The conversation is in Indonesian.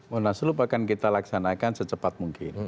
munas lut akan kita laksanakan secepat mungkin